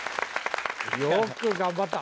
よく頑張った！